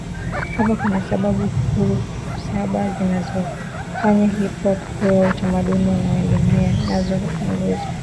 hapa Kuna sababu kuu saba zinazofanya Hip Hop kuwa utamaduni unaojitegemea nazo ni Nguzo